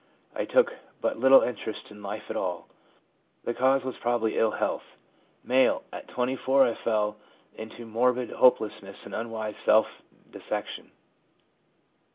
I took but little interest in life at all. The cause was probably ill health/ M. 'At 24 I fell into morbid hopelessness and unwise self dissection.